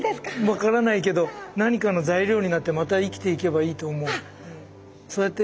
分からないけど何かの材料になってまた生きていけばいいと思う。